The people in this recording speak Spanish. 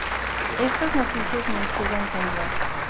Estas noticias me hicieron temblar.